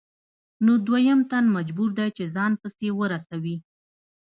نو دویم تن مجبور دی چې ځان پسې ورسوي